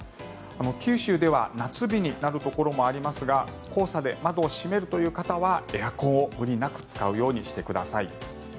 九州では夏日になるところもありますが黄砂で窓を閉めるという方はエアコンを無理なく使うようにしてください。